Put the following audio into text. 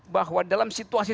bahwa dalam situasi